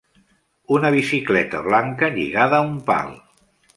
Una bicicleta blanca lligada a un pal